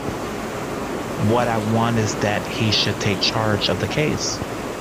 What I want is that he should take charge of the case.